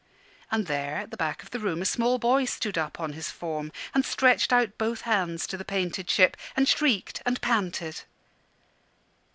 And there at the back of the room a small boy stood up on his form, and stretched out both hands to the painted ship, and shrieked and panted.